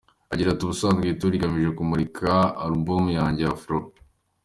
Agira ati “Ubusanzwe iyi ‘Tour’ igamije kumurika alubumu yanjye “Afro”.